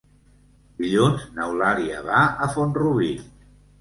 Dilluns n'Eulàlia va a Font-rubí.